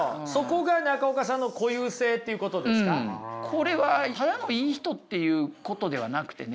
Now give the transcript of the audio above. これはただのいい人っていうことではなくてね